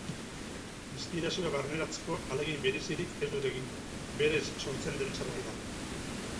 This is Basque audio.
Inspirazioak barneratzeko ahalegin berezirik ez dut egiten, berez sortzen den zerbait da.